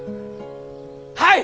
はい！